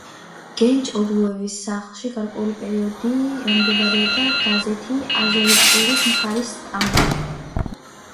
გენჩ-ოგლუევის სახლში გარკვეული პერიოდი მდებარეობდა გაზეთ „აზოვისპირეთის მხარის“ სტამბა.